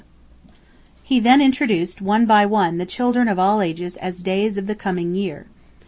He then introduced one by one the children of all ages as "Days" of the coming year.